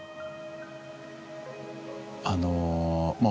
あのまあ